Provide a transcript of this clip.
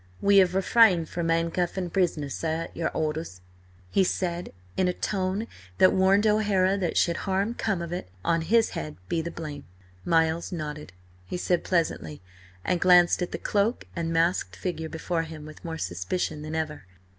"We 'ave refrained from 'andcuffin' pris'ner, sir, at your horders," he said, in a tone that warned O'Hara that should harm come of it, on his head be the blame. Miles nodded. "Quite right," he said pleasantly, and glanced at the cloaked and masked figure before him with more suspicion than ever.